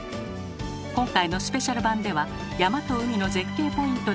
今回のスペシャル版では山と海の絶景ポイントで釣りに挑みます。